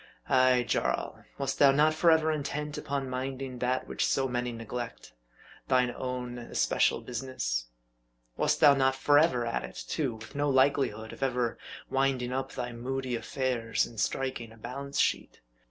Ay, Jarl ! wast thou not forever intent upon minding that which so many neglect thine own especial business ? Wast thou not forever at it, too, with no likelihood of ever winding up thy moody affairs, and striking a balance sheet